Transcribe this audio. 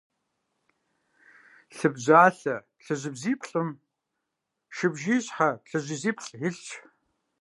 Лыбжьалъэ плъыжьыбзиплӏым шыбжиищхьэ плъыжьыбзиплӏ илъщ.